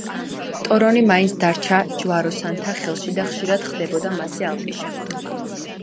ტორონი მაინც დარჩა ჯვაროსანთა ხელში და ხშირად ხდებოდა მასზე ალყის შემორტყმა.